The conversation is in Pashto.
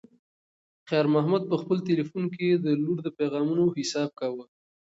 خیر محمد په خپل تلیفون کې د لور د پیغامونو حساب کاوه.